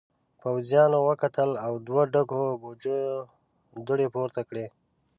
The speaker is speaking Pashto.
پوځيانو وکتل او دوو ډکو بوجيو دوړې پورته کړې.